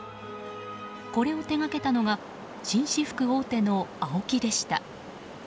これを手掛けたのは紳士服大手のＡＯＫＩでした。